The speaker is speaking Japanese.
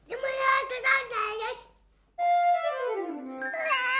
うわ！